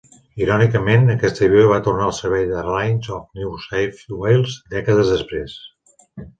Irònicament, aquest avió va tornar al servei d'Airlines of New South Wales dècades després.